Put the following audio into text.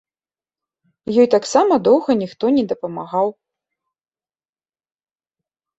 Ёй таксама доўга ніхто не дапамагаў.